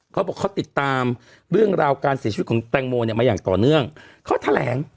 เขาบอกเขาติดตามเรื่องราวการเสียชีวิตของแตงโมเนี่ยมาอย่างต่อเนื่องเขาแถลง